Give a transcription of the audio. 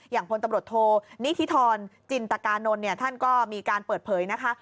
พลตำรวจโทนิธิธรจินตกานนท์เนี่ยท่านก็มีการเปิดเผยนะคะ